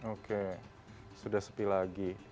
oke sudah sepi lagi